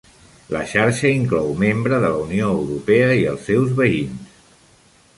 La xarxa inclou membre de la Unió Europa i els seus veïns.